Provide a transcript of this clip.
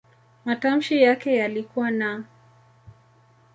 Matamshi yake yalikuwa "n".